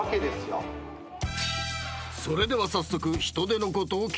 ［それでは早速ヒトデのことを聞いてみよう］